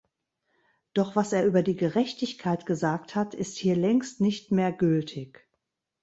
Doch was er über die Gerechtigkeit gesagt hat, ist hier längst nicht mehr gültig.